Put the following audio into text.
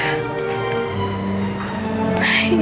kamu tenang ya